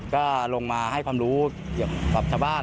ก็ลงมาให้ความรู้เกี่ยวกับชาวบ้าน